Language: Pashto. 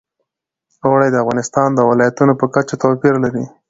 اوړي د افغانستان د ولایاتو په کچه توپیر لري.